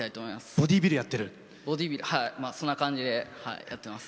ボディービルそんな感じでやってます。